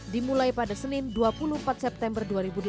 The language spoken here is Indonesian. dimulai pada senin dua puluh empat september dua ribu delapan belas